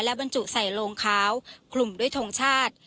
และบรรจุใส่โรงค้าวคลุมด้วยทรงชาติ